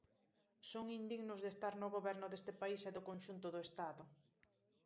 Son indignos de estar no Goberno deste país e do conxunto do Estado.